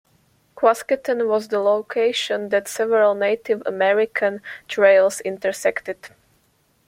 Quasqueton was the location that several Native American trails intersected.